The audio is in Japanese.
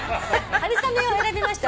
「春雨」を選びました